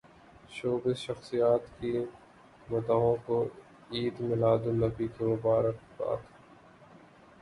showbiz شخصیات کی مداحوں کو عید میلاد النبی کی مبارکباد